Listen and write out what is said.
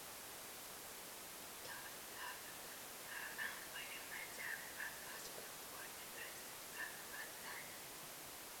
Charles W. Kennard and William H. A. Maupin were listed as assignees.